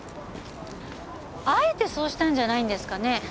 あえてそうしたんじゃないですかね？